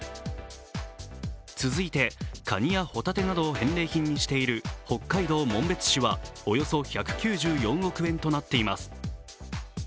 続いて、カニや帆立てなどを返礼品にしている北海道紋別市はおよそ１９４億円となっています。